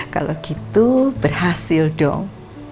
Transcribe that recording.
kalau gitu berhasil dong